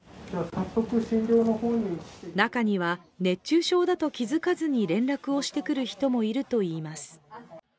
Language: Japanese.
中には熱中症だと気付かずに連絡をしてくる人もいるといいます。